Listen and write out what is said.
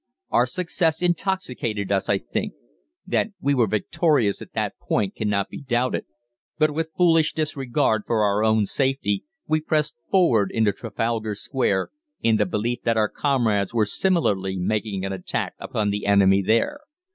"Our success intoxicated us, I think. That we were victorious at that point cannot be doubted, but with foolish disregard for our own safety, we pressed forward into Trafalgar Square, in the belief that our comrades were similarly making an attack upon the enemy there.